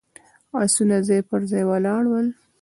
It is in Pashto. آسونه ځای پر ځای ولاړ ول.